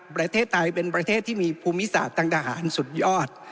ประเทศไทยเป็นประเทศที่มีภูมิศาสตร์ทางทหารสุดยอด